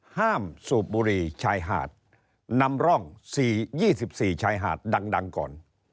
ห้ามสูบบุรีชายหาดนำร่องสี่ยี่สิบสี่ชายหาดดังดังก่อน